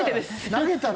投げたら？